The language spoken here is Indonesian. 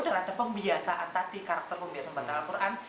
dengan ada pembiasaan tadi karakter pembiasaan bahasa al quran